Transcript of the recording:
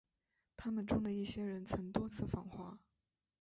他们中的一些人曾多次访华。